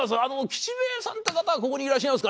吉兵衛さんって方はここにいらっしゃいますかね？